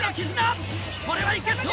これはいけそうだ！